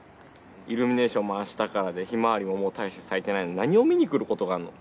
イルミネーションも明日からでヒマワリも大して咲いてないのに何を見に来ることがあんの？